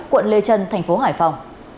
quận lê trân tp hải phòng